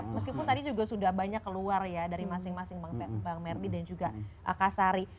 meskipun tadi juga sudah banyak keluar ya dari masing masing bang merdi dan juga kak sari